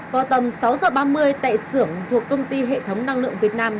vào tầm sáu h ba mươi tại xưởng thuộc công ty hệ thống năng lượng việt nam